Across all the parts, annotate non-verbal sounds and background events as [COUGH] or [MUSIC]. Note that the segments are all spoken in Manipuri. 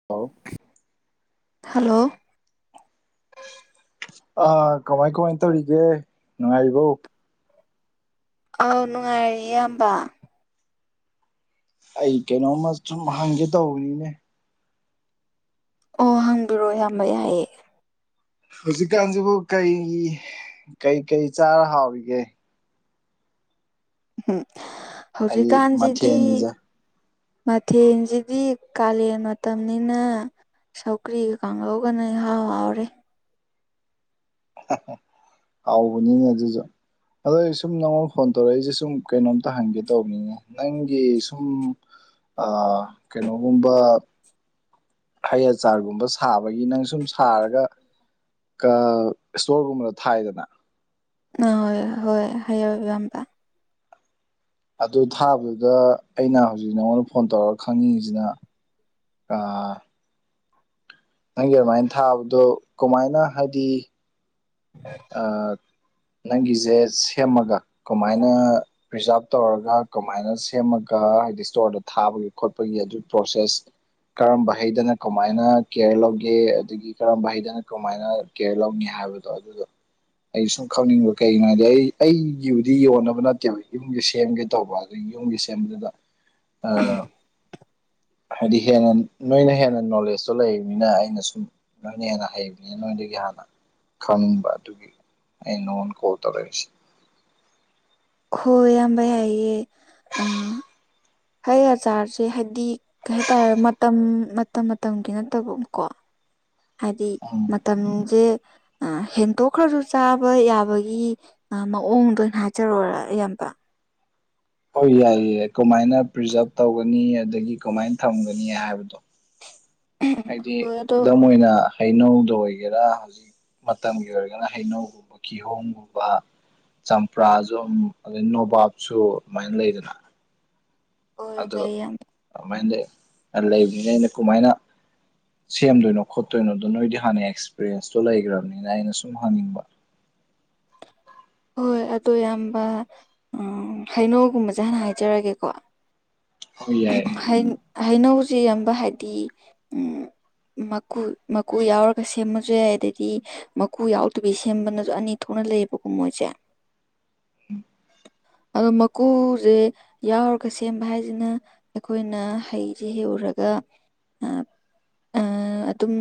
ꯍꯜꯂꯣ ꯍꯜꯂꯣ ꯑ ꯀꯃꯥꯏ ꯀꯃꯥꯏꯅ ꯇꯧꯔꯤꯒꯦ ꯅꯨꯡꯉꯥꯏꯔꯤꯕꯣ ꯑꯥꯎ ꯅꯨꯡꯉꯥꯏꯔꯤ ꯏꯌꯥꯝꯕ ꯑꯩ ꯀꯩꯅꯣꯝꯃ ꯁꯨꯝ ꯍꯪꯒꯦ ꯇꯧꯕꯅꯤꯅꯦ ꯑꯣ ꯍꯪꯕꯤꯔꯣ ꯌꯥꯝꯅ ꯌꯥꯏꯑꯦ ꯍꯧꯖꯤꯛꯀꯥꯟꯁꯤꯕꯨ ꯀꯩ ꯀꯩ ꯀꯔꯤ ꯆꯥꯔ ꯍꯥꯎꯔꯤꯒꯦ ꯎꯝ ꯍꯥꯏꯗꯤ ꯍꯧꯖꯤꯛꯀꯥꯟꯁꯤꯗꯤ ꯃꯊꯦꯜꯁꯦ ꯃꯊꯦꯜꯁꯤꯗꯤ ꯀꯥꯂꯦꯟ ꯃꯇꯝꯅꯤꯅ ꯁꯧꯒꯔꯤꯒ ꯀꯥꯡꯉꯧꯒꯅ ꯏꯍꯥꯎ ꯍꯥꯎꯔꯦ ꯍꯥꯎꯕꯅꯤꯅꯦ ꯑꯗꯨꯁꯨ ꯑꯗꯣ ꯑꯩ ꯁꯨꯝ ꯅꯪꯉꯣꯟꯗ ꯐꯣꯟ ꯇꯧꯔꯛꯏꯁꯦ ꯁꯨꯝ ꯀꯩꯅꯣꯝꯇ ꯍꯪꯒꯦ ꯇꯧꯕꯅꯤꯅꯦ ꯅꯪꯒꯤ ꯁꯨꯝ ꯀꯩꯅꯣꯒꯨꯝꯕ ꯍꯩ ꯑꯆꯥꯔꯒꯨꯝꯕ ꯁꯥꯕꯒꯤ ꯅꯪ ꯁꯨꯝ ꯁꯥꯔꯒ ꯏꯁꯇꯣꯔꯒꯨꯝꯕꯗ ꯊꯥꯏꯗꯅ ꯑꯣꯏ ꯍꯣꯏ ꯍꯥꯏꯌꯣ ꯏꯌꯥꯝꯕ ꯑꯗꯨ ꯊꯥꯕꯗꯨꯗ ꯑꯩꯅ ꯍꯧꯖꯤꯛ ꯅꯉꯣꯟꯗ ꯐꯣꯟ ꯇꯧꯔꯒ ꯈꯪꯅꯤꯡꯉꯤꯁꯤꯅ ꯑ ꯅꯪꯒꯤ ꯑꯗꯨꯃꯥꯏꯅ ꯊꯥꯕꯗꯣ ꯀꯃꯥꯏꯅ ꯍꯥꯏꯗꯤ [UNINTELLIGIBLE] ꯅꯪꯒꯤꯖꯦ ꯁꯦꯝꯃꯒ ꯀꯃꯥꯏꯅ ꯄ꯭ꯔꯤꯖꯥꯕ ꯇꯧꯔꯒ ꯀꯃꯥꯏꯅ ꯁꯦꯝꯃꯒ ꯍꯥꯏꯗꯤ ꯏꯁꯇꯣꯔꯗ ꯊꯥꯕꯒꯤ ꯈꯣꯠꯄꯒꯤ ꯑꯗꯨꯒꯤ ꯄ꯭ꯔꯣꯁꯦꯁ ꯀꯔꯝꯕ ꯍꯩꯗꯅ ꯀꯃꯥꯏꯅ ꯀꯦꯌꯔ ꯂꯧꯒꯦ ꯑꯗꯨꯒꯤ ꯀꯔꯝꯕ ꯍꯩꯗꯅ ꯀꯃꯥꯏꯅ ꯀꯦꯌꯔ ꯂꯧꯅꯤ ꯍꯥꯏꯕꯗꯣ ꯑꯗꯨꯗꯣ ꯑꯩ ꯁꯨꯝ ꯈꯪꯅꯤꯡꯕ ꯀꯩꯒꯤꯅꯣꯗꯤ ꯑꯩ ꯑꯩꯒꯤꯕꯨꯗꯤ ꯌꯣꯟꯅꯕ ꯅꯠꯇꯦꯕ ꯌꯨꯝꯒꯤ ꯁꯦꯝꯒꯦ ꯇꯧꯕ ꯑꯗꯨ꯫ ꯌꯨꯝꯒꯤ ꯁꯦꯝꯕꯗꯨꯗ ꯑ ꯍꯥꯏꯗꯤ ꯍꯦꯟꯅ ꯅꯣꯏꯅ ꯍꯦꯟꯅ ꯅꯣꯂꯦꯖꯇꯣ ꯂꯩꯕꯅꯤꯅ ꯑꯩꯅ ꯁꯨꯝ ꯅꯣꯏꯅ ꯍꯦꯟꯅ ꯍꯩꯕꯅꯤꯅ ꯅꯣꯏꯗꯒꯤ ꯍꯥꯟꯅ ꯈꯪꯅꯤꯡꯕ ꯑꯗꯨ꯫ ꯑꯗꯨꯒꯤ ꯑꯩꯅ ꯅꯡꯉꫭꯟꯗ ꯀꯣꯜ ꯇꯧꯔꯛꯏꯁꯦ꯫ ꯍꯣꯏ ꯏꯌꯥꯝꯕ ꯌꯥꯏꯌꯦ ꯑ ꯍꯩ ꯑꯆꯥꯥꯔꯁꯦ ꯍꯥꯏꯗꯤ ꯀꯩ ꯍꯥꯏꯇꯥꯔꯦ ꯃꯇꯝ ꯃꯇꯝ ꯃꯇꯝꯒꯤ ꯅꯠꯇꯕ ꯀꯣ꯫ ꯍꯥꯏꯗꯤ ꯎꯝ ꯃꯇꯝꯁꯦ ꯑ ꯍꯦꯟꯇꯣꯛꯈ꯭ꯔꯁꯨ ꯆꯥꯕ ꯌꯥꯕꯒꯤ ꯑ ꯃꯑꯣꯡꯗ ꯑꯣꯏꯅ ꯍꯥꯏꯖꯔꯛ ꯑꯣꯔ ꯏꯌꯥꯝꯕ꯫ ꯍꯣꯏ ꯌꯥꯏꯌꯦ ꯌꯥꯏ ꯀꯃꯥꯏꯅ ꯄ꯭ꯔꯤꯖꯥꯕ ꯇꯧꯒꯅꯤ ꯑꯗꯒꯤ ꯀꯃꯥꯏꯅ ꯊꯝꯒꯅꯤ ꯍꯥꯏꯕꯗꯣ꯫ ꯍꯥꯏꯗꯤ ꯍꯣꯏ ꯑꯗꯣ ꯈꯨꯗꯝ ꯑꯣꯏꯅ ꯍꯩꯅꯧꯗ ꯑꯣꯏꯒꯦꯔꯥ ꯃꯇꯝꯒꯤ ꯑꯣꯏꯔꯒꯅ ꯍꯩꯅꯧꯒꯨꯝꯕ ꯀꯤꯍꯣꯝꯒꯨꯝꯕ꯫ ꯆꯝꯄ꯭ꯔꯥꯁꯨ ꯑꯗꯩ ꯅꯣꯕꯥꯞꯁꯨ ꯑꯗꯨꯃꯥꯏꯅ ꯂꯩꯗꯅ꯫ ꯍꯣꯏ ꯑꯗꯣ ꯂꯩ ꯌꯥꯝ ꯑꯗꯨꯃꯥꯏꯅ ꯂꯩꯕꯅꯤꯅ ꯑꯩꯅ ꯀꯃꯥꯏꯅ ꯁꯦꯝꯗꯣꯏꯅꯣ ꯈꯣꯠꯇꯣꯏꯅꯣꯗꯣ ꯅꯣꯏꯗꯤ ꯍꯥꯟꯅ ꯑꯦꯛꯁꯄꯤꯔꯤꯌꯦꯟꯁꯇꯣ ꯂꯩꯈ꯭ꯔꯕꯅꯤꯅ ꯑꯩꯅ ꯁꯨꯝ ꯍꯪꯅꯤꯡꯕ꯫ ꯍꯣꯏ ꯑꯗꯣ ꯏꯌꯥꯝꯕ ꯑꯥ ꯍꯩꯅꯧꯒꯨꯝꯕꯁꯦ ꯍꯥꯟꯅ ꯍꯥꯏꯖꯔꯒꯦꯀꯣ꯫ ꯍꯣꯏ ꯌꯥꯏ [UNINTELLIGIBLE] ꯍꯩꯅꯧꯁꯦ ꯏꯌꯥꯝꯕ ꯍꯥꯏꯗꯤ ꯎꯝ ꯃꯀꯨ ꯃꯀꯨ ꯌꯥꯎꯔꯒ ꯁꯦꯝꯃꯁꯨ ꯌꯥꯏ ꯑꯗꯩꯗꯤ ꯃꯀꯨ ꯌꯥꯎꯗꯕꯤ ꯁꯦꯝꯕꯅꯁꯨ ꯑꯅꯤ ꯊꯣꯛꯅ ꯂꯩꯌꯦꯕꯀꯣ ꯃꯣꯏꯁꯦ꯫ ꯎꯝ꯫ ꯑꯗꯣ ꯃꯀꯨꯁꯦ ꯌꯥꯎꯔꯒ ꯁꯦꯝꯕ ꯍꯥꯏꯁꯤꯅ ꯑꯩꯈꯣꯏꯅ ꯍꯩꯁꯦ ꯍꯦꯛꯎꯔꯒ ꯑꯥ ꯑ ꯑꯗꯨꯝ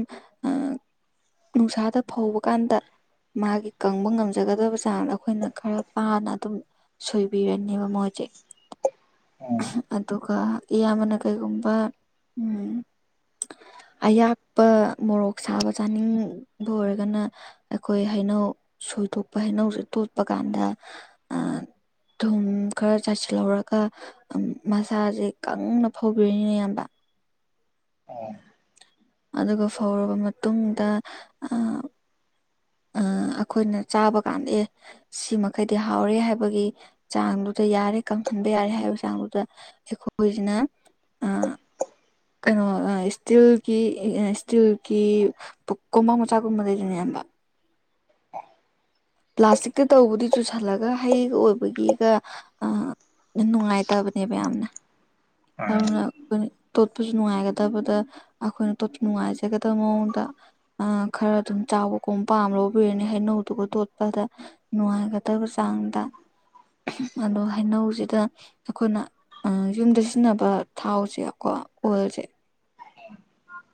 ꯅꯨꯡꯁꯥꯗ ꯐꯧꯕ ꯀꯥꯟꯗ ꯃꯥꯒꯤ ꯀꯪꯕ ꯉꯝꯖꯒꯗꯕ ꯆꯥꯡꯗ ꯑꯩꯈꯣꯏꯅ ꯈꯔ ꯄꯥꯅ ꯑꯗꯨꯝ ꯁꯣꯏꯕꯤꯔꯅꯦꯕ ꯃꯣꯏꯖꯦ꯫ ꯎꯝ꯫ ꯑꯗꯨꯒ ꯏꯌꯥꯝꯕꯅ ꯀꯩꯒꯨꯝꯕ ꯎꯝ [UNINTELLIGIBLE] ꯑꯌꯥꯛꯄ ꯃꯣꯔꯣꯛ ꯁꯥꯕ ꯆꯥꯅꯤꯡꯕ ꯑꯣꯏꯔꯒꯅ ꯑꯩꯈꯣꯏ ꯍꯩꯅꯧ ꯁꯣꯏꯗꯣꯛꯄ ꯍꯩꯅꯧꯁꯦ ꯇꯣꯠꯄ ꯀꯥꯟꯗ ꯊꯨꯝ ꯈꯔ ꯆꯥꯏꯁꯤꯜꯍꯧꯔꯒ ꯑꯝ ꯃꯁꯥꯁꯦ ꯀꯪꯅ ꯐꯧꯕꯤꯔꯅꯤꯅꯥ ꯏꯌꯥꯝꯕ꯫ ꯑꫭ꯫ ꯑꯗꯨꯒ ꯐꯧꯔꯕ ꯃꯇꯨꯡꯗ ꯑ ꯑ ꯑꯈꯣꯏꯅ ꯆꯥꯕ ꯀꯥꯟꯗ ꯑꯦ ꯁꯤ ꯃꯈꯩꯗꯤ ꯍꯥꯎꯔꯦ ꯍꯥꯏꯕꯒꯤ ꯆꯥꯡꯗꯨꯗ ꯌꯥꯔꯦ ꯀꯪꯍꯟꯕ ꯌꯥꯔꯦ ꯍꯥꯏꯕꯒꯤ ꯆꯥꯡꯗꯨꯗ [UNINTELLIGIBLE] ꯀꯩꯅꯣ ꯑ ꯏꯁꯇꯤꯜꯒꯤ ꯏꯁꯇꯤꯜꯒꯤ ꯄꯨꯛꯀꯨꯝꯕ ꯃꯆꯥꯒꯨꯝꯕ ꯂꯩꯗꯅ ꯏꯌꯥꯝꯕ꯫ ꯄ꯭ꯂꯥꯁꯇꯤꯛꯇ ꯇꯧꯕꯗꯤ ꯆꯨꯁꯜꯂꯒ ꯍꯩꯒ ꯑꯣꯏꯕꯒꯤꯒ ꯑ ꯅꯨꯡꯉꯥꯏꯇꯕꯅꯦꯕ ꯌꯥꯝꯅ ꯑꯗꯨꯅ ꯇꯣꯠꯄꯁꯨ ꯅꯨꯡꯉꯥꯏꯒꯗꯕꯗ ꯑꯈꯣꯏꯅ ꯇꯣꯠꯄ ꯅꯨꯡꯉꯥꯏꯖꯒꯗꯕ ꯃꯑꯣꯡꯗ ꯑ ꯈꯔ ꯑꯗꯨꯝ ꯆꯥꯎꯕ ꯀꯨꯝ ꯄꯥꯝ ꯂꯧꯕꯤꯔꯅꯦ ꯍꯩꯅꯧꯗꯨꯒ ꯇꫭꯠ ꯄꯗ ꯅꯨꯡꯉꯥꯏꯒꯗꯕ ꯆꯥꯡꯗ ꯑꯗꯣ ꯍꯩꯅꯧꯁꯤꯗ ꯑꯩꯈꯣꯏꯅ ꯌꯨꯝꯗ ꯁꯤꯖꯤꯟꯅꯕ ꯊꯥꯎꯁꯦ ꯀꯣ ꯑꯣꯏꯜꯁꯦ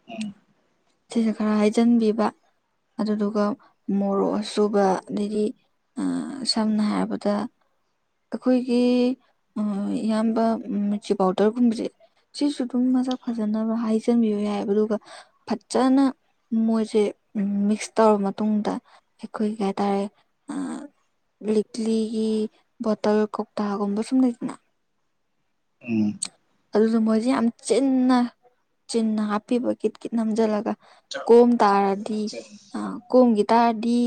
ꯎꯝ꯫ ꯁꯤꯁꯨ ꯈꯔ ꯍꯥꯏꯖꯤꯟꯕꯤꯕ ꯑꯗꯨꯗꯨꯒ ꯃꯣꯔꯣꯛ ꯑꯆꯁꯨꯕ ꯑꯗꯩꯗꯤ ꯁꯝꯅ ꯍꯥꯏꯔꯕꯗ ꯑꯩꯈꯣꯏꯒꯤ ꯏꯌꯥꯝꯕ ꯃꯤꯔꯆꯤ ꯄꯥꯎꯗꯔꯒꯨꯝꯕꯁꯦ ꯁꯤꯁꯨ ꯑꯗꯨꯝ ꯃꯁꯛ ꯐꯖꯅ ꯍꯥꯏꯖꯟꯕꯤꯕ ꯌꯥꯏꯑꯕ ꯑꯗꯨꯒ ꯐꯖꯅ ꯃꯣꯏꯁꯦ ꯃꯤꯛꯁ ꯇꯧꯔꯕ ꯃꯇꯨꯡꯗ ꯑꯩꯈꯣꯏ ꯀꯩ ꯍꯥꯏꯇꯥꯔꯦ ꯑ ꯂꯤꯛꯂꯤꯒꯤ ꯕꯣꯇꯜ ꯀꯧꯇꯥꯒꯨꯝꯕ ꯁꯨꯝ ꯂꯩꯗꯅ ꯎꯝ ꯑꯗꯨꯗ ꯃꯣꯏꯁꯤ ꯌꯥꯝ ꯆꯤꯟꯅ ꯆꯤꯟꯅ ꯍꯥꯞꯄꯤꯕ ꯀꯤꯠ ꯀꯤꯠ ꯅꯝꯁꯤꯜꯂꯒ ꯀꯣꯝ ꯇꯥꯔꯗꯤ ꯑ ꯀꯣꯝꯈꯤ ꯇꯥꯔꯗꯤ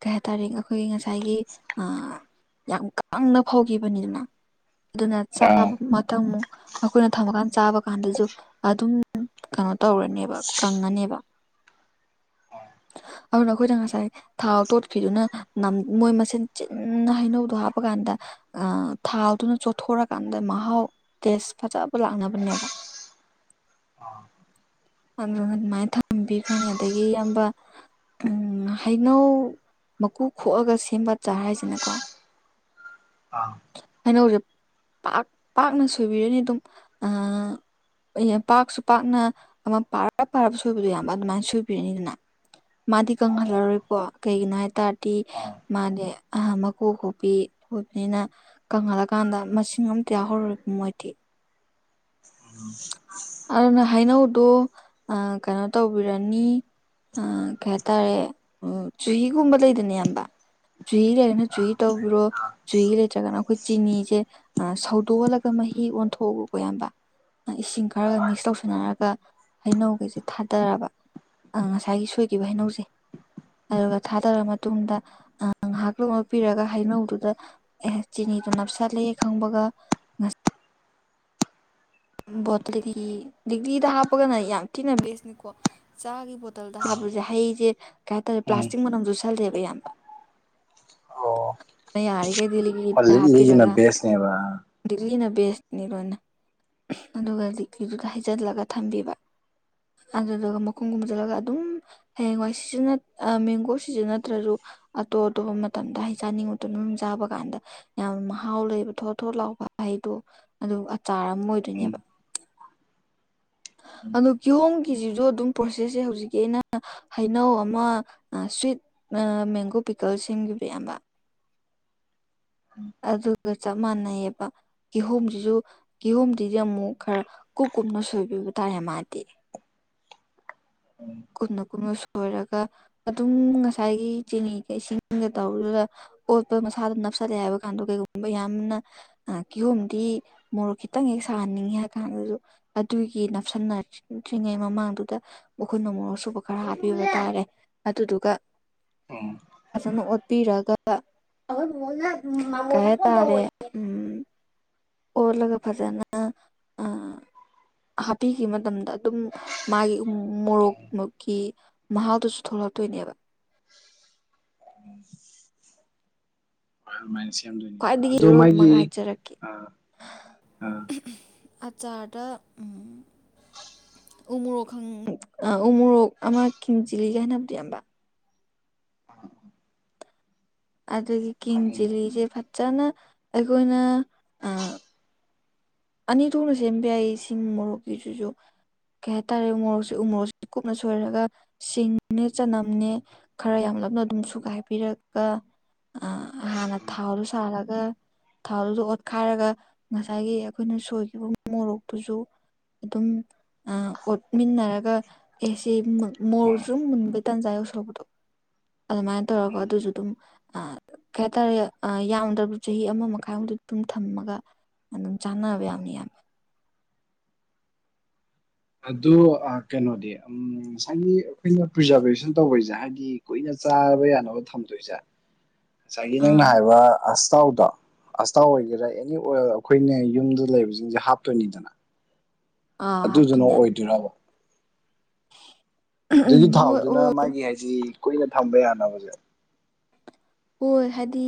ꯀꯩ ꯍꯥꯏꯇꯥꯔꯦ ꯑꯩꯈꯣꯏꯒꯤ ꯉꯁꯥꯏ ꯉꯁꯥꯏꯒꯤ ꯌꯥꯝ ꯀꯪꯅ ꯐꯧꯈꯤꯕꯅꯤꯗꯅ ꯑꯗꯨꯅ ꯆꯥꯕ ꯑꯥ [UNINTELLIGIBLE] ꯑꯩꯈꯣꯏꯅ ꯊꯝꯃꯀꯥꯟꯗ ꯆꯥꯕ ꯀꯥꯟꯗꯁꯨ ꯑꯗꯨꯝ ꯀꯩꯅꯣ ꯇꯧꯔꯅꯦꯕ ꯀꯪꯉꯅꯦꯕ ꯍ [UNINTELLIGIBLE] ꯑ ꯅꯈꯣꯏꯗꯉꯥ ꯁꯥꯏ ꯊꯥꯎ ꯇꯣꯠꯈꯤꯗꯨꯅ ꯃꯣꯏ ꯃꯁꯦꯟ ꯆꯤꯟꯅ ꯍꯩꯅꯧꯗꯣ ꯍꯥꯞꯄ ꯀꯥꯟꯗ ꯊꯥꯗꯨꯅ ꯆꯣꯠꯊꯣꯔꯀꯥꯟꯗ ꯃꯍꯥꯎ ꯇꯦꯁ ꯐꯖꯕ ꯂꯥꯛꯅꯕꯅꯦꯕ ꯑꯥ ꯑꯗꯨꯅ ꯑꯗꯨꯃꯥꯏꯅ ꯊꯝꯕꯤꯈ꯭ꯔꯅꯤ ꯑꯗꯒꯤ ꯏꯌꯥꯝꯕ ꯎꯝ ꯍꯩꯅꯧ ꯃꯀꯨ ꯈꯣꯛꯑꯒ ꯁꯦꯝꯕ ꯆꯥꯔ ꯍꯥꯏꯁꯤꯅꯀꯣ ꯀꯩꯅꯣꯁꯦ ꯄꯥꯛ ꯄꯥꯛꯅ ꯁꯣꯏꯕꯤꯔꯅꯤ ꯑꯗꯨꯝ ꯑ ꯄꯥꯛꯁꯨ ꯄꯥꯛꯅ ꯑꯃ ꯄꯥꯔ ꯄꯥꯔꯕ ꯁꯣꯏꯕꯗꯣ ꯌꯥꯝꯕ ꯑꯗꯨꯃꯥꯏꯅ ꯁꯣꯏꯕꯤꯔꯅꯤꯗꯅ ꯃꯥꯗꯤ ꯀꯪꯍꯜꯂꯔꯣꯏꯀꯣ ꯀꯩꯒꯤꯅꯣ ꯍꯥꯏ ꯇꯔꯗꯤ ꯃꯥꯅꯦ ꯃꯀꯨ ꯈꯣꯄꯤ ꯈꯕꯅꯤꯅ ꯀꯪꯍꯜꯂꯀꯥꯟꯗ ꯃꯁꯤꯡ ꯑꯝꯇ ꯌꯥꯎꯍꯧꯔꯕ ꯃꯣꯏꯗꯤ ꯎꯝ [INAUDIBLE] [UNINTELLIGIBLE] ꯑꯗꯨꯅ ꯍꯩꯅꯧꯗꯣ ꯀꯩꯅꯣ ꯇꯧꯕꯤꯔꯅꯤ ꯑ ꯀꯩ ꯍꯥꯏꯇꯥꯔꯦ ꯎ ꯆꯨꯍꯤꯒꯨꯝꯕ ꯂꯩꯗꯅ ꯑꯌꯥꯝꯕ ꯆꯨꯍꯤ ꯂꯩꯅ ꯨꯏ ꯇꯧꯕꯤꯔꯣ ꯆꯨꯍꯤ ꯂꯩꯇꯔꯒꯅꯥ ꯑꯩꯈꯣꯏ ꯆꯤꯅꯤꯁꯦ ꯁꯧꯗꯣꯛꯍꯜꯂꯒ ꯃꯍꯤ ꯑꯣꯟꯊꯣꯛꯎꯒꯀꯣ ꯑꯌꯥꯝꯕ ꯏꯁꯤꯡ ꯈꯔꯒ ꯃꯤꯛꯁ ꯇꯧꯁꯟꯅꯔꯒ ꯍꯩꯅꯧꯒꯁꯦ ꯊꯥꯗꯥꯔꯕ ꯑꯥ ꯉꯁꯥꯏꯒꯤ ꯁꯣꯏꯈꯤꯕ ꯍꯩꯅꯧꯁꯦ ꯑꯗꯨꯒ ꯊꯥꯗꯔ ꯃꯇꯨꯡꯗ ꯉꯥꯏꯍꯥꯛꯇꯪ ꯑꯣꯠꯄꯤꯔꯒꯥ ꯍꯩꯅꯧꯗꯨꯗ ꯑꯦꯍꯦ ꯆꯤꯅꯤꯗꯨ ꯅꯞꯁꯜꯂꯦ ꯈꯪꯕꯒ ꯕꯣꯇꯜꯒꯤꯗꯤ ꯂꯤꯛꯂꯤꯗ ꯍꯥꯞꯄꯒꯅ ꯌꯥꯝ ꯊꯤꯅ ꯕꯦꯁꯅꯤꯀꯣ ꯆꯥꯒꯤ ꯕꯣꯇꯜ- ꯇꯜꯗꯥ ꯍꯥꯞꯄꯁꯦ ꯍꯩꯁꯦ ꯀꯩꯍꯥꯏꯇꯥꯔꯦ ꯄ꯭ꯂꯥꯁꯇꯤꯛ ꯃꯅꯝ [UNINTELLIGIBLE] [UNINTELLIGIBLE] ꯏꯌꯥꯝꯕ ꯑꯣ ꯌꯥꯔꯤꯈꯩꯗꯤ ꯂꯤꯛꯂꯤꯗꯥ ꯍꯧꯖꯤꯛꯒꯤꯁꯤꯅ ꯍꯥꯞꯄꯤꯔꯒ ꯕꯦꯁꯅꯦꯕ ꯂꯤꯛꯂꯤꯅ ꯕꯦꯁꯅꯤ [UNINTELLIGIBLE] ꯑꯗꯨꯒ ꯂꯤꯛꯂꯤꯗꯨꯗ ꯍꯩꯖꯤꯜꯂꯒ ꯊꯝꯕꯤꯕ ꯑꯗꯨꯗꯨꯒ ꯃꯈꯨꯝꯒꯨꯝ ꯈꯨꯝꯂꯒ ꯑꯗꯨꯝ ꯍꯌꯦꯡꯋꯥꯏ ꯁꯤꯖꯟꯅ ꯑꯥ ꯃꯦꯡꯒꯣ ꯁꯤꯖꯟ ꯅꯠꯇ꯭ꯔꯁꯨ ꯑꯇꯣꯞ ꯑꯇꯣꯞꯄ ꯃꯇꯝꯗ ꯍꯩ ꯆꯥꯅꯤꯡ ꯃꯇꯝꯗ ꯑꯗꯨꯝ ꯆꯥꯕ ꯀꯥꯟꯗ ꯌꯥꯝ ꯃꯍꯥꯎ ꯂꯩꯕ ꯊꯣꯠ ꯊꯣꯠ ꯂꯥꯎꯕ ꯍꯩꯗꯣ ꯑꯗꯨ ꯑꯆꯥꯔ ꯑꯃ ꯑꯣꯏ- ꯗꯨꯏꯅꯦꯕ [UNINTELLIGIBLE] ꯑꯗꯣ ꯀꯤꯍꯣꯝꯒꯤꯁꯤꯁꯨ ꯑꯗꯨꯝ ꯄ꯭ꯔꯣꯁꯦꯁꯁꯦ ꯍꯧꯖꯤꯛꯀꯤ ꯑꯩꯅ ꯍꯩꯅꯧ ꯑꯃ ꯁ꯭ꯋꯤꯠ ꯃꯦꯡꯒꯣ ꯄꯤꯀꯜ ꯁꯦꯝꯈꯤꯕꯗꯣ ꯏꯌꯥꯝꯕ [UNINTELLIGIBLE] ꯑꯗꯨꯒ ꯆꯞ ꯃꯥꯟꯅꯩꯌꯦꯕ ꯀꯤꯍꯣꯝꯁꯤꯁꯨ ꯀꯤꯍꯣꯝ ꯑꯗꯨꯗꯤ ꯑꯃꯨꯛ ꯈꯔ ꯀꯨꯞ ꯀꯨꯞꯅ ꯁꯣꯏꯕꯤꯕ ꯇꯥꯔꯦ ꯃꯥꯗꯤ ꯀꯨꯝꯅ ꯀꯨꯝꯅ ꯁꯣꯏꯔꯒ ꯑꯗꯨꯝ ꯉꯁꯥꯏꯒꯤ ꯆꯤꯅꯤꯒ ꯏꯁꯤꯡꯒ ꯇꯧꯕꯗꯨꯗꯥ ꯑꯣꯠꯄ ꯃꯁꯥꯗꯣ ꯅꯞꯁꯜꯂꯦ ꯍꯥꯏꯕ ꯀꯥꯟꯗꯣ ꯀꯩꯒꯨꯝꯕ ꯌꯥꯝꯅ ꯑꯥ ꯀꯤꯍꯣꯝꯗꯤ ꯃꯣꯔꯣꯛ ꯈꯤꯇꯪ ꯍꯦꯛ ꯁꯥꯍꯟꯅꯤꯡꯉꯦ ꯍꯥꯏ ꯀꯥꯟꯗꯁꯨ ꯑꯗꯨꯒꯤ ꯅꯞꯁꯤꯟꯅꯗ꯭ꯔꯤꯉꯩ ꯃꯃꯥꯡꯗꯨꯗ ꯎꯞ ꯈꯨꯨꯠꯅꯥ ꯃꯣꯔꯣꯛ ꯑꯁꯨꯕ ꯈꯔ ꯍꯥꯞꯄꯤꯕ ꯇꯥꯔꯦ ꯑꯗꯨꯗꯨꯒ ꯎꯝ ꯐꯖꯅ ꯑꯣꯠꯄꯤꯔꯒ ꯀꯩꯍꯥꯏꯇꯔꯦ ꯎꯝ ꯑꯣꯠꯂꯒ ꯐꯖꯅ ꯑꯥ [UNINTELLIGIBLE] ꯍꯥꯞꯄꯤꯈꯤꯕ ꯃꯇꯝꯗ ꯑꯗꯨꯝ ꯃꯥꯒꯤ ꯃꯣꯔꯣꯛ ꯃꯨꯛꯀꯤ ꯃꯍꯥꯎꯗꯨꯁꯨ ꯊꯣꯛꯂꯛꯇꯣꯏꯅꯦꯕ [UNINTELLIGIBLE] ꯑꯗꯨꯃꯥꯏꯅ ꯁꯦꯝꯗꯣꯏꯅꯦꯕ ꯈ꯭ꯋꯥꯏꯗꯒꯤ ꯑꯗꯣ ꯂꯣꯏꯕ ꯃꯥꯒꯤ ꯑꯃꯒ ꯍꯥꯏꯖꯔꯛꯀꯦ [UNINTELLIGIBLE] ꯑꯆꯥꯔꯗ ꯎꯝ ꯎꯃꯣꯔꯣꯛ ꯈꯪ ꯎꯃꯣꯔꯣꯛ ꯑꯃ ꯀꯤꯡ ꯆꯤꯜꯂꯤꯒꯥ ꯍꯥꯏꯅꯕꯗꯨꯣ ꯏꯌꯥꯝꯕ ꯑꯗꯨꯒꯤ ꯀꯤꯡ ꯆꯤꯂꯤꯁꯦ ꯐꯖꯅ ꯑꯩꯈꯣꯏꯅ ꯑꯥ ꯑꯅꯤ ꯊꯣꯛꯅ ꯁꯦꯝꯕ ꯌꯥꯏꯌꯦ ꯁꯤꯡ ꯃꯣꯔꯣꯛꯀꯤꯁꯤꯁꯨ ꯀꯩꯍꯥꯏꯇꯥꯔꯦ ꯎꯃꯣꯔꯣꯛꯁꯨ ꯎꯃꯣꯔꯣꯛꯁꯦ ꯀꯨꯞꯅ ꯁꯣꯏꯔꯒ ꯁꯤꯡꯅꯦ ꯆꯅꯝꯅꯦ ꯈꯔ ꯌꯥꯝ ꯂꯞꯅ ꯑꯗꯨꯝ ꯁꯨꯒꯥꯏꯕꯤꯔꯒ ꯑꯥ ꯍꯥꯟꯅ ꯊꯥꯎꯗꯨ ꯁꯥꯍꯜꯂꯒ ꯊꯥꯎꯗꯨꯗ ꯑꯣꯠꯈꯥꯏꯔꯒ ꯉꯁꯥꯏꯒꯤ ꯑꯩꯈꯣꯏꯅ ꯁꯣꯏꯈꯤꯕ ꯃꯣꯔꯣꯛꯇꯨꯁꯨ ꯑꯗꯨꯝ ꯑꯥ ꯑꯣꯠꯃꯤꯟꯅꯔꯒ ꯑꯦꯁꯦ ꯃꯣꯔꯣꯛꯁꯨ ꯃꯨꯟꯕꯥ ꯇꯥꯟꯖꯥ ꯌꯧꯁꯤꯜꯂꯛꯄꯗꯣ ꯑꯗꯨꯃꯥꯏꯅ ꯇꯧꯔꯒ ꯑꯗꯨꯁꯨ ꯑꯗꯨꯝ ꯀꯩꯍꯥꯏꯇꯥꯔꯦ ꯑꯥ ꯌꯥꯝꯗ꯭ꯔꯕ ꯆꯍꯤ ꯑꯃ ꯃꯈꯥꯏꯃꯨꯛꯗꯤ ꯑꯗꯨꯝ ꯊꯝꯃꯒ ꯑꯗꯨꯝ ꯆꯥꯟꯅꯕ ꯌꯥꯕꯅꯤ ꯏꯌꯥꯝꯕ ꯑꯗꯨ ꯑꯥ ꯀꯩꯅꯣꯗꯤ ꯎꯝ ꯉꯁꯥꯏꯒꯤ ꯑꯩꯈꯣꯏꯅ ꯄ꯭ꯔꯤꯖꯥꯔꯕꯦꯁꯟ ꯇꯧꯕꯩꯁꯦ ꯍꯥꯏꯗꯤ ꯀꯨꯏꯅ ꯆꯥꯕ ꯌꯥꯅꯕ ꯊꯝꯗꯣꯏꯁꯦ ꯉꯁꯥꯏꯒꯤ ꯅꯪꯅ ꯑꯥ ꯍꯥꯏꯕ ꯑꯁꯥꯊꯥꯎꯗꯣ ꯑꯁꯇꯥꯎ ꯑꯣꯏꯒꯦꯔꯥ ꯑꯦꯅꯤ ꯑꯣꯏꯜ ꯑꯈꯣꯏꯅ ꯌꯨꯝꯗ ꯂꯩꯕꯖꯤꯡꯖꯦ ꯍꯥꯞꯇꯣꯏꯅꯤꯗꯅ ꯑꯥ ꯑꯗꯨꯗꯨꯅ ꯍꯥꯞꯇꯨꯅꯦ ꯌꯥꯝ ꯑꯣꯏꯗꯣꯏꯔꯕ ꯑꯗꯨꯒꯤ ꯍꯣꯏ ꯊꯥꯎꯗꯨꯅ ꯍꯣꯏ ꯃꯥꯒꯤ ꯍꯥꯏꯖꯤ ꯀꯨꯏꯅ ꯊꯝꯕ ꯌꯥꯅꯕꯖꯦ꯫ ꯍꯣꯏ ꯍꯥꯏꯗꯤ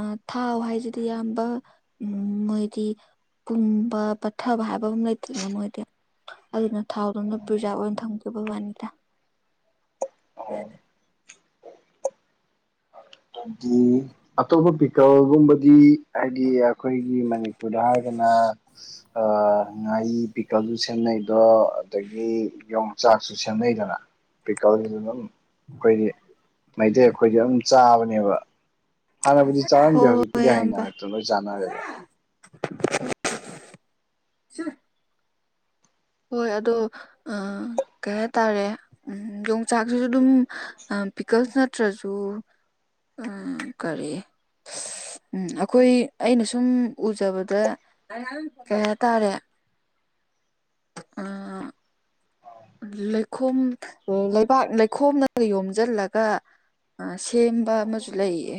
ꯑ ꯊꯥꯎ ꯍꯥꯏꯖꯤꯗꯤ ꯌꯥꯝꯕ ꯎꯝ ꯃꯣꯏꯗꯤ ꯄꯨꯝꯕ ꯄꯠꯊꯕ ꯍꯥꯏꯕ ꯑꯃ ꯂꯩꯇꯦꯗꯅ ꯃꯣꯏꯗꯤ ꯑꯗꯨꯅ ꯊꯥꯎꯗꯨꯅ ꯄ꯭ꯔꯤꯖꯥꯕ ꯑꯣꯏꯅ ꯊꯝꯈꯤꯕꯩ ꯋꯥꯅꯤꯗ꯫ ꯑꯣ ꯑꯗꯤ ꯑꯇꯣꯞꯄ ꯄꯤꯀꯜꯒꯨꯝꯕꯗꯤ ꯍꯥꯏꯗꯤ ꯑꯈꯣꯏꯒꯤ ꯃꯅꯤꯄꯨꯔꯗ ꯍꯥꯏꯔꯒꯅ ꯑ ꯉꯥꯔꯤ ꯄꯤꯀꯜꯗꯖꯨ ꯁꯦꯝꯅꯩꯗꯣ꯫ ꯑꯗꯒꯤ ꯌꯣꯡꯆꯥꯛꯁꯨ ꯁꯦꯝꯅꯩꯗꯅ ꯄꯤꯀꯜꯒꯤꯖꯤ ꯗꯨꯝ ꯑꯈꯣꯏꯗꯤ ꯃꯩꯇꯩ ꯑꯈꯣꯏꯗꯤ ꯑꯗꯨꯝ ꯆꯥꯕꯅꯦꯕ꯫ ꯍꯥꯟꯅꯕꯨꯗꯤ ꯆꯥꯔꯝꯗꯦ ꯍꯣꯏ ꯍꯣꯏ ꯍꯧꯖꯤꯛꯄꯨꯗꯤ ꯏꯌꯥꯝꯕ ꯍꯩꯅꯔꯛꯇ꯭ꯔꯅ ꯂꯣꯏ ꯆꯥꯟꯅꯔꯦꯗ꯫ ꯍꯣꯏ ꯑꯗꯣ ꯑꯥ ꯀꯩ ꯍꯥꯏꯇꯥꯔꯦ꯫ ꯎꯝ ꯌꯣꯡꯆꯥꯛꯁꯤꯁꯨ ꯑꯗꯨꯝ ꯑꯥ ꯄꯤꯀꯜꯁ ꯅꯠꯇ꯭ꯔꯖꯨ ꯎꯝ ꯀꯔꯤ ꯁ ꯎꯝ ꯑꯩꯈꯣꯏ ꯑꯩꯅ ꯁꯨꯝ ꯎꯖꯕꯗ ꯀꯩ ꯍꯥꯏꯇꯥꯔꯦ ꯑ [UNINTELLIGIBLE] ꯂꯩꯈꯣꯝ ꯂꯩꯕꯥꯛ ꯂꯩꯈꯣꯝꯅꯒ ꯌꯣꯝꯖꯜꯂꯒ ꯑ ꯁꯦꯝꯕ ꯑꯃꯁꯨ ꯂꯩꯌꯦ꯫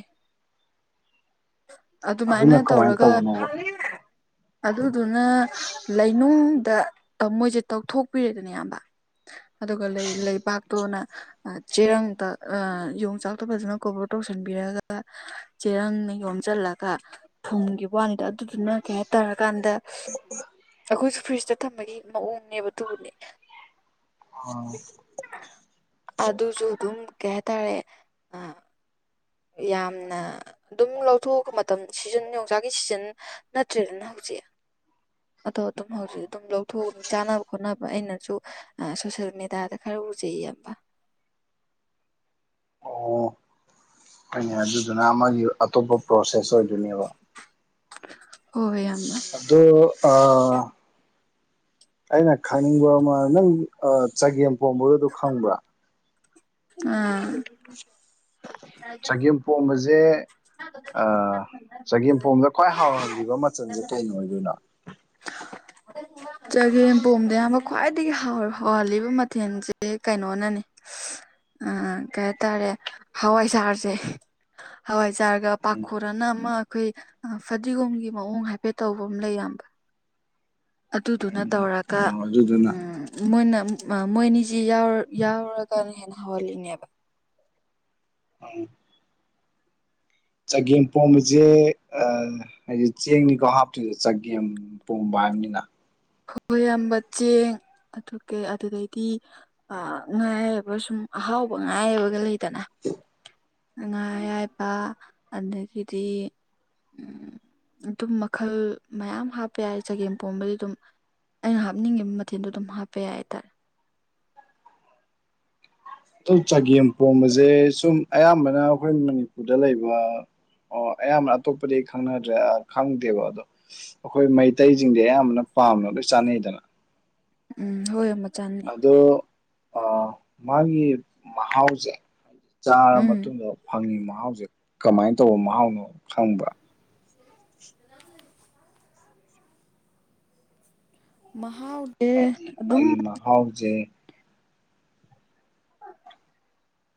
ꯑꯗꯨꯃꯥꯏꯅ ꯑꯗꯨꯅ ꯀꯃꯥꯏꯅ ꯇꯧꯔꯒ ꯇꯧꯕꯅꯣꯕ ꯑꯗꯨꯗꯨꯅ ꯂꯩꯅꯨꯡꯗ ꯑ ꯃꯣꯏꯖꯦ ꯇꯧꯊꯣꯛꯄꯤꯔꯦꯗꯅ ꯏꯌꯥꯝꯕ ꯑꯗꯨꯒ ꯂꯩ ꯂꯩꯕꯥꯛꯇꯨꯅ ꯑꯥ ꯆꯦꯔꯪꯇ ꯑ ꯌꯣꯡꯆꯥꯛꯇ ꯐꯖꯅ ꯀꯣꯕꯔ ꯇꯧꯁꯟꯕꯤꯔꯒ ꯆꯦꯔꯪꯅꯤ ꯌꯣꯝꯖꯜꯂꯒ ꯐꯨꯝꯒꯤꯕ ꯋꯥꯅꯤꯗ ꯑꯗꯨꯗꯨꯅ ꯀꯩ ꯍꯥꯏꯇꯥꯔ ꯀꯥꯟꯗ ꯑꯈꯣꯏꯁꯨ ꯐ꯭ꯔꯤꯖꯇ ꯊꯝꯕꯒꯤ ꯃꯑꯣꯡꯅꯦꯕ ꯇꯨꯕꯨꯅꯤ ꯑꯗꯨꯁꯨ ꯑꯗꯨꯝ ꯀꯩ ꯍꯥꯏꯇꯥꯔꯦ ꯑ ꯌꯥꯝꯅ ꯑꯗꯨꯝ ꯂꯧꯊꯣꯛꯑꯒ ꯃꯇꯝ ꯁꯤꯖꯟ ꯌꯣꯡꯆꯥꯛꯒꯤ ꯁꯤꯖꯟ ꯅꯠꯇ꯭ꯔꯦꯗꯅ ꯍꯧꯖꯤꯛ ꯑꯗꯣ ꯑꯗꯨꯝ ꯍꯧꯖꯤꯛ ꯑꯗꯨꯝ ꯂꯧꯊꯣꯛꯎꯒ ꯆꯥꯅꯕ ꯈꯣꯠꯅꯕ ꯑꯩꯅꯖꯨ ꯑ ꯁꯣꯁꯤꯌꯦꯜ ꯃꯦꯗꯥꯥꯗ ꯈꯔ ꯎꯖꯩꯌꯦ ꯑꯄ ꯑꯣ ꯍꯣꯏꯅꯦ ꯑꯗꯨꯗꯨꯅ ꯑꯃꯒꯤ ꯑꯇꯣꯞꯄ ꯄ꯭ꯔꯣꯁꯦꯁ ꯑꯣꯏꯗꯣꯏꯅꯦꯕ ꯍꯣꯏ ꯏꯌꯥꯝꯕ ꯑꯗꯨ ꯑ ꯑꯩꯅ ꯈꯪꯅꯤꯡꯕ ꯑꯃ ꯅꯪ ꯑꯥ ꯆꯒꯦꯝ ꯄꯣꯝꯕꯒꯗꯨ ꯈꯪꯕ꯭ꯔꯥ [UNINTELLIGIBLE] ꯆꯒꯦꯝ ꯄꯣꯝꯕꯁꯦ ꯆꯒꯦꯝ ꯄꯣꯝꯕꯗ [UNINTELLIGIBLE] ꯈ꯭ꯋꯥꯏ ꯍꯥꯎꯍꯜꯂꯤꯕ ꯃꯆꯜꯖꯦ ꯀꯩꯅ ꯑꯣꯏꯗꯣꯏꯅꯣ [UNINTELLIGIBLE] ꯆꯒꯦꯝꯄꯣꯝꯗ ꯑꯌꯥꯝꯕ ꯈ꯭ꯋꯥꯏꯗꯒꯤ ꯍꯥꯎ ꯍꯥꯎꯍꯜꯂꯤꯕ ꯃꯊꯦꯜꯖꯦ ꯀꯩꯅꯣꯅꯅꯤ [INAUDIBLE] ꯑ ꯀꯩ ꯍꯥꯏꯇꯥꯔꯦ ꯍꯋꯥꯏꯁꯥꯔꯖꯦ ꯍꯋꯥꯏꯖꯥꯔꯒ ꯄꯥꯈꯣꯔꯟꯅ ꯑꯃ ꯑꯩꯈꯣꯏ ꯑꯥ ꯐꯗꯤꯒꯣꯝꯒꯤ ꯃꯑꯣꯡ ꯍꯥꯏꯐꯦꯠ ꯇꯧꯕꯃ ꯂꯩ ꯏꯌꯥꯝꯕ ꯑꯗꯨꯗꯨꯅ ꯇꯧꯔꯒ ꯑꯣ ꯑꯗꯨꯗꯨꯅ ꯎꯝ ꯃꯣꯏꯅ ꯃ ꯑ ꯃꯣꯏꯅꯤꯖꯤ ꯌꯥꯎ ꯌꯥꯎꯔꯒꯅ ꯍꯦꯟꯅ ꯍꯧꯍꯜꯂꯤꯅꯦꯕ ꯑꯪ ꯆꯒꯦꯝ ꯄꯣꯝꯕꯖꯦ ꯑꯥ ꯍꯥꯏꯗꯤ ꯆꯦꯡꯅꯤꯀꯣ ꯍꯥꯞꯇꯣꯏꯖꯦ ꯆꯒꯦꯝ ꯄꯣꯝꯕ ꯍꯥꯏꯕꯅꯤꯅ ꯍꯣꯏ ꯏꯌꯥꯝꯕ ꯆꯦꯡ ꯑꯗꯨ ꯀꯩ ꯑꯗꯨꯗꯩꯗꯤ ꯑ ꯉꯥ ꯑꯌꯥꯏꯕ ꯁꯨꯝ ꯑꯍꯥꯎꯕ ꯉꯥ ꯑꯌꯥꯏꯕꯒ ꯂꯩ ꯗꯅ ꯉꯥ ꯑꯌꯥꯏꯕ ꯑꯗꯒꯤꯗꯤ ꯎꯝ ꯑꯗꯨꯝ ꯃꯈꯜ ꯃꯌꯥꯝ ꯍꯥꯞꯄ ꯌꯥꯏ ꯆꯒꯦꯝ ꯄꯣꯝꯕꯗꯤ ꯑꯗꯨꯝ ꯑꯩꯅ ꯍꯥꯞꯅꯤꯡꯉꯤꯕ ꯃꯊꯦꯜꯗꯣ ꯑꯗꯨꯝ ꯍꯥꯞꯄ ꯌꯥꯏ ꯍꯥꯏꯇꯥꯔꯦ꯫ ꯑꯗꯨꯝ ꯆꯒꯦꯝ ꯄꯣꯝꯕꯁꯦ ꯁꯨꯝ ꯑꯌꯥꯝꯕꯅ ꯑꯩꯈꯣꯏ ꯃꯅꯤꯄꯨꯔꯗ ꯂꯩꯕ ꯑꯣ ꯑꯌꯥꯝꯕꯅ ꯑꯇꯣꯞꯄꯗꯤ ꯑꯩ ꯈꯪꯅꯗ꯭ꯔꯦ ꯈꯪꯗꯦꯕ ꯑꯗꯣ ꯑꯩꯈꯣꯏ ꯃꯩꯇꯩꯁꯤꯡꯗꯤ ꯑꯌꯥꯝꯕꯅ ꯄꯥꯝꯅ ꯂꯣꯏ ꯆꯥꯅꯩꯗꯅ꯫ ꯎꯝ ꯍꯣꯏ ꯌꯥꯝ ꯃ ꯆꯥꯟ ꯑꯗꯣ ꯑ ꯃꯥꯒꯤ ꯃꯍꯥꯎꯁꯦ ꯆꯥꯔ ꯎꯝ ꯃꯇꯨꯡꯗ ꯐꯪꯉꯤ ꯃꯍꯥꯎꯁꯦ ꯀꯃꯥꯏꯅ ꯇꯧꯕ ꯃꯍꯥꯎꯅꯣ ꯈꯪꯕ꯭ꯔꯥ ꯃꯍꯥꯎꯗꯦ ꯑꯗꯨꯝ ꯍꯥꯎꯖꯦ [INAUDIBLE]